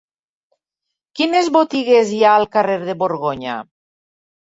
Quines botigues hi ha al carrer de Borgonya?